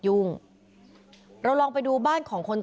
พุ่งเข้ามาแล้วกับแม่แค่สองคน